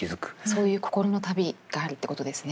そういう心の旅があるってことですね。